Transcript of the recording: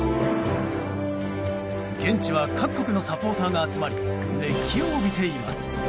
現地は各国のサポーターが集まり熱気を帯びています。